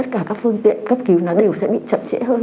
các phương tiện cấp cứu nó đều sẽ bị chậm trễ hơn